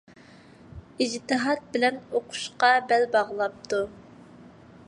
ئىجتىھات بىلەن ئوقۇشقا بەل باغلاپتۇ.